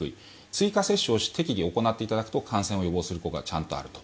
追加接種を適宜行っていくと感染を予防する効果がちゃんとあると。